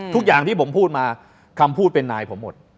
ทุกอย่างที่ผมพูดมาคำพูดเป็นนายผมหมด